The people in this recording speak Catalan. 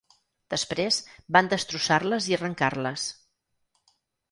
Després, van destrossar-les i arrencar-les.